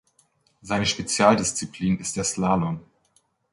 Seine Spezialdisziplin ist der Slalom.